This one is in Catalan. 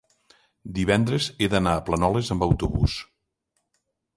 divendres he d'anar a Planoles amb autobús.